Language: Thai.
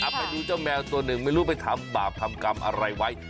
ไปดูเจ้าแมวตัวหนึ่งไม่รู้ไปทำบาปทำกรรมอะไรไว้